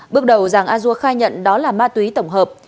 bước đầu giàng a dua khai nhận đó là ma túy tổng hợp